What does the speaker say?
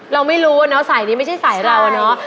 เราไม่รู้อะเนาะสายนี้ไม่ใช่สายเราอะเนาะ